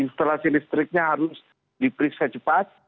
instalasi listriknya harus diperiksa cepat